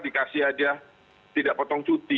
dikasih aja tidak potong cuti